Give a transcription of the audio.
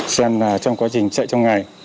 xem trong quá trình chạy trong ngày